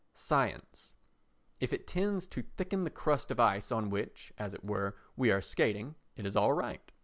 Science If it tends to thicken the crust of ice on which, as it were, we are skating, it is all right.